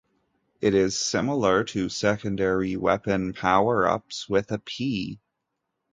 It is similar to secondary weapon powerups, with a "P".